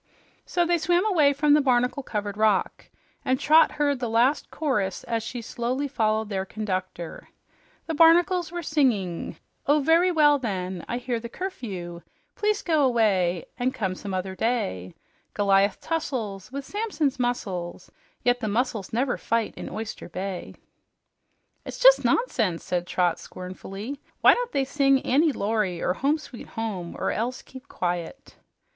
So they swam away from the barnacle covered rock, and Trot heard the last chorus as she slowly followed their conductor. The barnacles were singing: "Oh, very well, then, I hear the curfew, Please go away and come some other day; Goliath tussels With Samson's muscles, Yet the muscles never fight in Oyster Bay." "It's jus' nonsense!" said Trot scornfully. "Why don't they sing 'Annie Laurie' or 'Home, Sweet Home' or else keep quiet?"